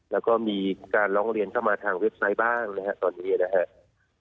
แล้วก็มีการร้องเรียนเข้ามาทางเว็บไซต์บ้างนะครับตอนนี้นะครับ